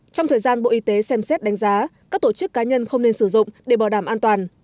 trong thời gian bộ y tế xem xét đánh giá các tổ chức cá nhân không nên sử dụng để bảo đảm an toàn